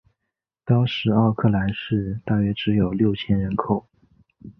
当时奥克兰市只有大约六千人口。